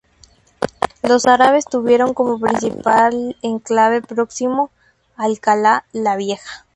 Los árabes tuvieron como principal enclave próximo, Alcalá la Vieja.